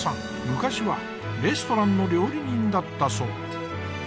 昔はレストランの料理人だったそう。